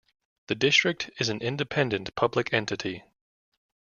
The district is an independent public entity.